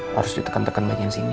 harus diteken teken banyak sini